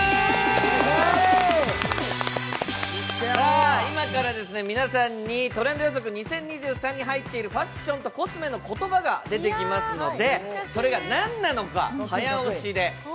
これから皆さんにトレンド予測２０２３に入っているファッションとコスメの言葉が出てきますのでそれが何なのか早押しで。